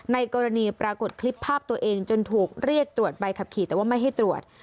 ในกรณีปรากฏคลิปภาพตัวเองจนถูกเรียกตรวจใบขับขี่แต่ว่าไม่ให้ตรวจ